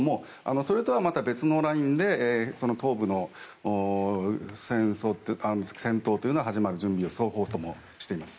それとは別のラインで東部の戦闘が始まる準備を双方ともしています。